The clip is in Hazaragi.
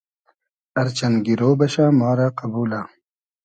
ار چئن گیرۉ بئشۂ ما رۂ قئبولۂ